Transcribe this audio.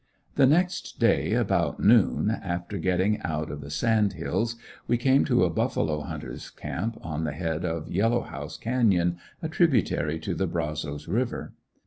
The next day about noon, after getting out of the Sand Hills, we came to a buffalo hunter's camp on the head of Yellow house canyon, a tributary to the Brazos River.